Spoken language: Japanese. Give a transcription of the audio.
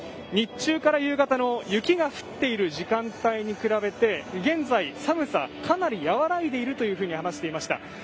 日中から夕方の雪が降っている時間帯に比べて、現在、寒さかなり和らいでいるというふうに話していました。